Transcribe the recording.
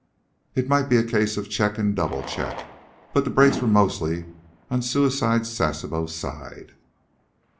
It might be a case of check and double check, but the breaks were mostly on Suicide Sasebo's side.